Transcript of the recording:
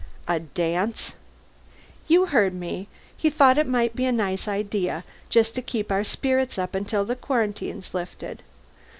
"A dance?" "You heard me. He thought it might be a nice idea just to keep our spirits up until the quarantine's lifted.